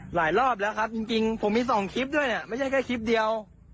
หลายรอบแล้วครับจริงผมมีสองคลิปด้วยเนี่ยไม่ใช่แค่คลิปเดียว